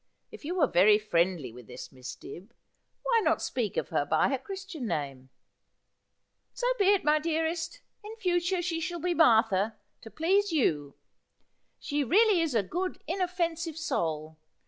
If you were very friendly with this Miss Dibb, why not speak of her by her christian name ?'' So be it, my dearest. In future she shall be Martha, to please you. She really is a good inoffensive soul.